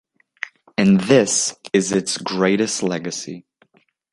And this is its greatest legacy.